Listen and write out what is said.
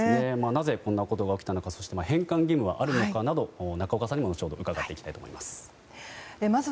なぜこんなことが起きたのかそして返還義務があるかなど仲岡さんにも後ほど伺いたいと思います。